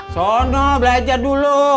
sono belajar dulu